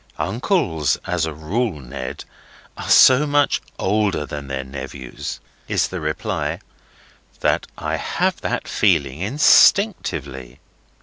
"Uncles as a rule, Ned, are so much older than their nephews," is the reply, "that I have that feeling instinctively."